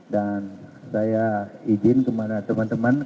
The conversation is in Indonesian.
dan saya izin kepada teman teman